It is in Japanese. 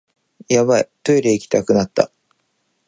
ヤバい、トイレ行きたくなった